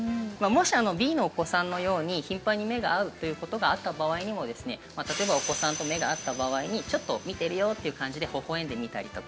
もしＢのお子さんのように頻繁に目が合うということがあった場合にも例えばお子さんと目が合った場合にちょっと見てるよっていう感じでほほ笑んでみたりとか。